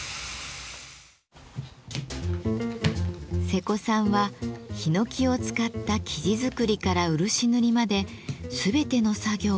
世古さんはヒノキを使った木地作りから漆塗りまで全ての作業を１人でこなします。